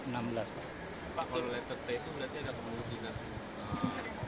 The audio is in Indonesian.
tidak perlu diingat